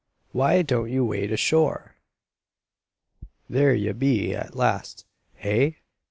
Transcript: "Why don't you wade ashore?" "There ye be, at last, hey?"